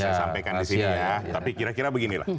saya sampaikan disini ya tapi kira kira beginilah